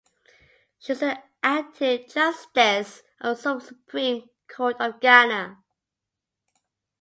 She is an active justice of the Supreme Court of Ghana.